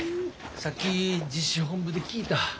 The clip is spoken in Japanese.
さっき実施本部で聞いた。